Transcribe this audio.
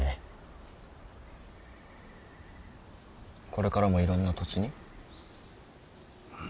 これからもいろんな土地に？